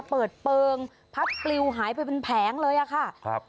เปิดเปลืองพัดปลิวหายไปเป็นแผงเลยอะค่ะครับ